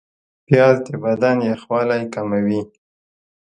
پیاز د بدن یخوالی کموي